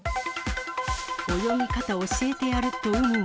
泳ぎ方教えてやると海に。